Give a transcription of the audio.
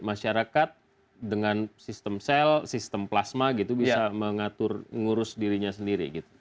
masyarakat dengan sistem sel sistem plasma gitu bisa mengatur ngurus dirinya sendiri gitu